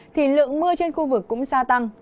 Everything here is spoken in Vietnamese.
thì lượng mưa trên khu vực cũng gia tăng